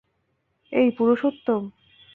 এই, পুরুষোত্তম!